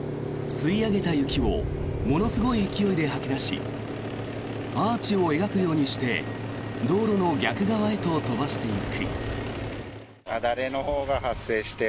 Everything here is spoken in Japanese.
吸い上げた雪をものすごい勢いで吐き出しアーチを描くようにして道路の逆側へと飛ばしていく。